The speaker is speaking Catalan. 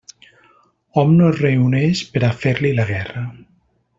Hom no es reuneix per a fer-li la guerra.